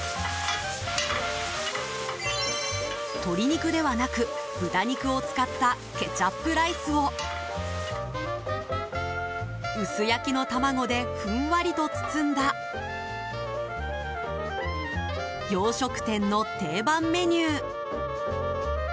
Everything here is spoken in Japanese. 鶏肉ではなく豚肉を使ったケチャップライスを薄焼きの卵でふんわりと包んだ洋食店の定番メニュー